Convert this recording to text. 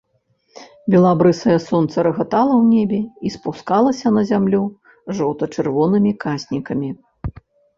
Белабрысае сонца рагатала ў небе і спускалася на зямлю жоўта-чырвонымі каснікамі.